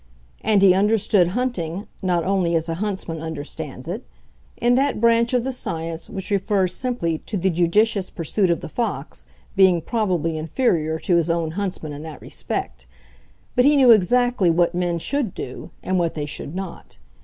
And he understood hunting, not only as a huntsman understands it, in that branch of the science which refers simply to the judicious pursuit of the fox, being probably inferior to his own huntsman in that respect, but he knew exactly what men should do, and what they should not.